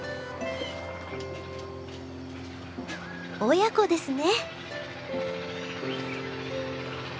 親子ですね。